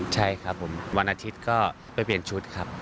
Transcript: ใช่ครับผมวันอาทิตย์ก็ไปเปลี่ยนชุดครับ